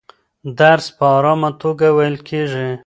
درس په ارامه توګه ویل کېږي.